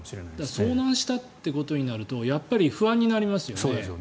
だから遭難したということになるとやっぱり不安になりますよね。